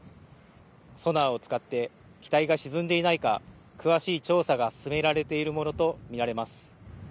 ソナーを使って機体が沈んでいないか詳しい調査が進められているものと見られます。